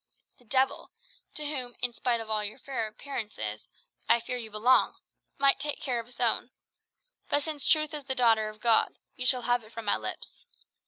The Devil to whom, in spite of all your fair appearances, I fear you belong might take care of his own. But since truth is the daughter of God, you shall have it from my lips.